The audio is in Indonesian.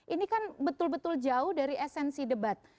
ini kan betul betul jauh dari esensi debat